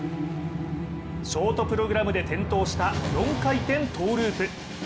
ショートプログラムで転倒した４回転トウループ。